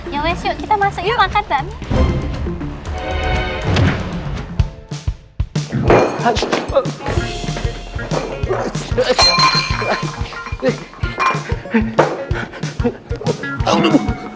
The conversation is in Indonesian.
yowes yuk kita masuk yuk makan bakmi